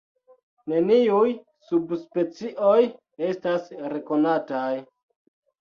Neniuj subspecioj estas rekonataj.